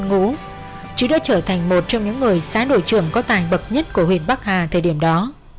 ngủ chứ đã trở thành một trong những người xã đội trưởng có tài bậc nhất của huyện bắc hà thời điểm đó